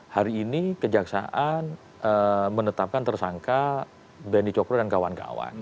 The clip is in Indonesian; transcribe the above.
hari ini kejaksaan menetapkan tersangka benny cokro dan kawan kawan